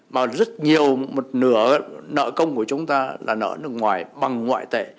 mà rất nhiều một nửa nợ công của chúng ta là nợ nước ngoài bằng ngoại tệ